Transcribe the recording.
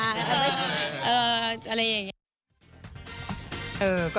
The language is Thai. อะไรอย่างนี้